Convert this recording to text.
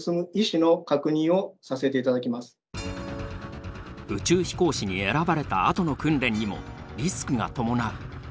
宇宙飛行士に選ばれたあとの訓練にもリスクが伴う。